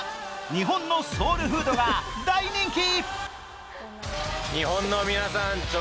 日本のソウルフードが大人気！